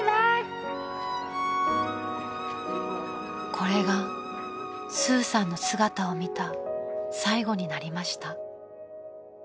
［これがスーさんの姿を見た最後になりました］